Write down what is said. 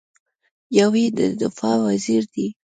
یو یې د دفاع وزیر دی.